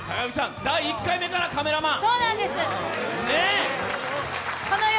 第１回目からカメラマン。